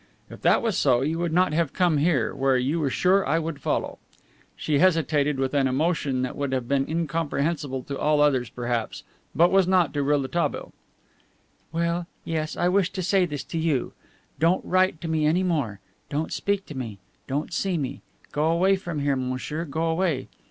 "If that was so, you would not have come here, where you were sure I would follow." She hesitated, with an emotion that would have been incomprehensible to all others perhaps, but was not to Rouletabille. "Well, yes, I wished to say this to you: Don't write to me any more. Don't speak to me. Don't see me. Go away from here, monsieur; go away.